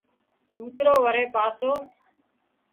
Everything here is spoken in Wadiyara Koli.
ڪوترو وري پاسو